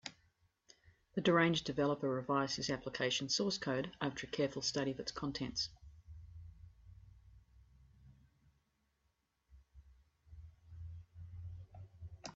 The deranged developer revised his application source code after a careful study of its contents.